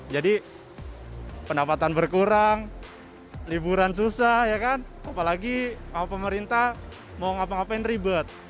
jadi pendapatan berkurang liburan susah apalagi pemerintah mau ngapain ngapain ribet